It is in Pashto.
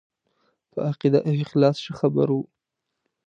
په عقیده او اخلاص ښه خبر وو.